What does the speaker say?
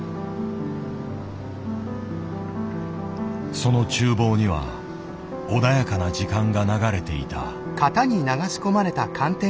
その厨房には穏やかな時間が流れていた。